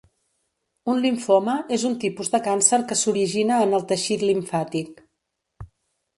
Un limfoma és un tipus de càncer que s'origina en el teixit limfàtic.